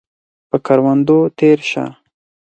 پۀ کروندو تیره شه